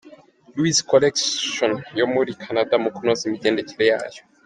Louise’s collections yo muri Canada mu kunoza imigendekere yacyo.